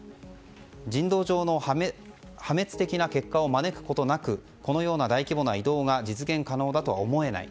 人道上の破滅的な結果を招くことなくこのような大規模な移動が実現可能だとは思えない。